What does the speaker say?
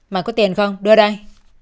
mà có tiền không đưa đây